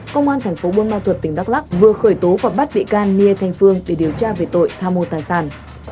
công an thành phố buôn ma thuật tỉnh đắk lắc vừa khởi tố và bắt bị can niê thanh phương để điều tra về tội tham mô tài sản